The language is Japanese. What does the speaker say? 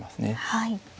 はい。